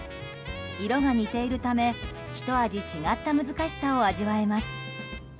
色が似ているためひと味違った難しさを味わえます。